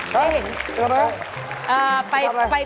เฮ่ยเป็นอะไร